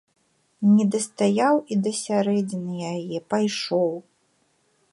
Не дастаяў і да сярэдзіны яе, пайшоў.